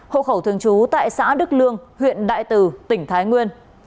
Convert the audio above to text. hộ khẩu thường trú tại xã đức lương huyện đại từ tỉnh thái nguyên